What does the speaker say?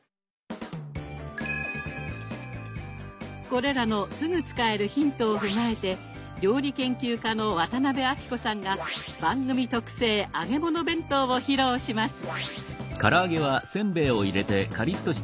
これらのすぐ使えるヒントを踏まえて料理研究家の渡辺あきこさんが番組特製揚げ物弁当を披露します。